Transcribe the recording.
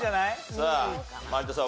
さあ有田さん